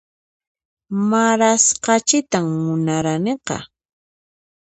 Maras kachitan munaraniqa